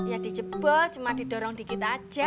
ya dijebol cuma didorong dikit aja